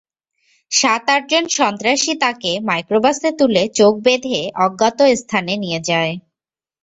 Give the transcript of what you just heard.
সাত-আটজন সন্ত্রাসী তাঁকে মাইক্রোবাসে তুলে চোখ বেঁধে অজ্ঞাত স্থানে নিয়ে যায়।